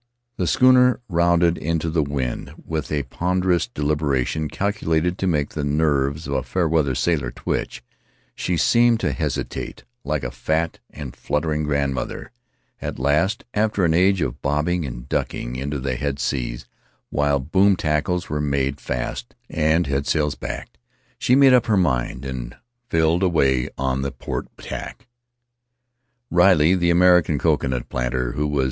The schooner rounded into the wind with a ponderous deliberation calculated to make the nerves of a fair weather sailor twitch; she seemed to hesitate, like a fat and fluttering grandmother; at last, after an age of bobbing and ducking into the head sea, while boom tackles were made fast and headsails backed, she made up her mind, and filled away on the port tack. Riley, the American coconut planter, who was!